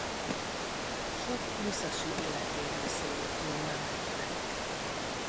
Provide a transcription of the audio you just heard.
Sok Muszasi életéről szóló filmben megjelenik.